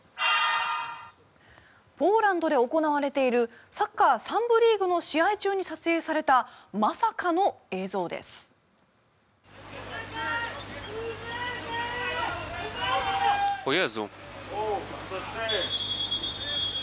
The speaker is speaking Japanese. ポーランドで行われているサッカー３部リーグの試合中に撮影されたまさかの映像です。